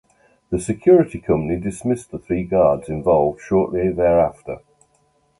The security company dismissed the three guards involved shortly thereafter.